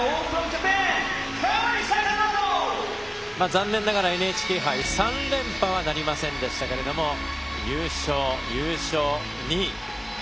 残念ながらＮＨＫ杯３連覇はなりませんでしたが優勝、優勝、２位。